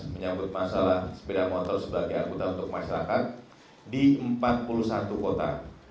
menyambut masalah sepeda motor sebagai angkutan untuk masyarakat di empat puluh satu kota